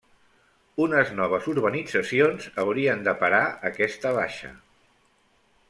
Unes noves urbanitzacions haurien de parar aquesta baixa.